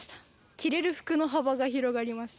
着れる服の幅が広がりました。